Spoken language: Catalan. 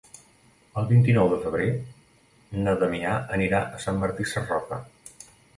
El vint-i-nou de febrer na Damià anirà a Sant Martí Sarroca.